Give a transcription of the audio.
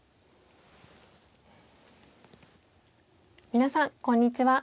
皆さんこんにちは。